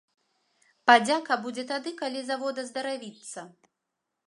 Падзяка будзе тады, калі завод аздаравіцца.